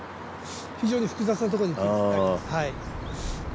非常に複雑なところになっています。